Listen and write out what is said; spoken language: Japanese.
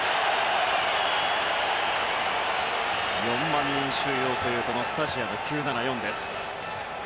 ４万人収容というスタジアム９７４です。